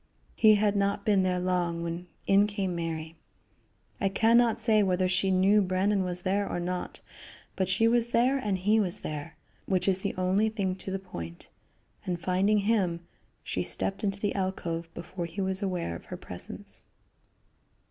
He had not been there long when in came Mary. I can not say whether she knew Brandon was there or not, but she was there and he was there, which is the only thing to the point, and finding him, she stepped into the alcove before he was aware of her presence.